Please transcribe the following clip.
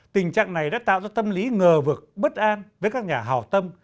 tình trạng này đã tạo ra tâm lý ngờ vực bất an với các nhà hào tâm